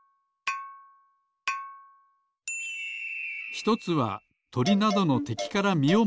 ひとつはとりなどのてきからみをまもるため。